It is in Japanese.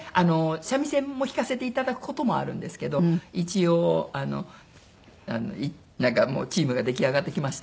三味線も弾かせていただく事もあるんですけど一応あのなんかもうチームが出来上がってきました。